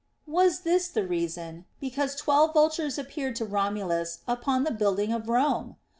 Was this the reason, because twelve vultures appeared to Romulus upon the building of Rome